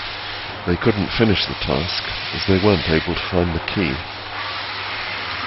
They couldn't finish the task as they weren't able to find the key